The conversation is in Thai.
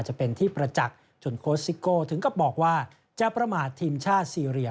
จะเป็นที่ประจักษ์จนโค้ชซิโก้ถึงกับบอกว่าจะประมาททีมชาติซีเรีย